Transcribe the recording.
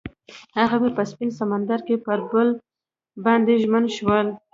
هغوی په سپین سمندر کې پر بل باندې ژمن شول.